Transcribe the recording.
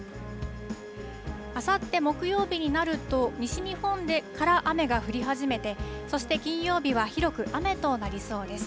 あさって木曜日になると、西日本から雨が降り始めて、そして金曜日は広く雨となりそうです。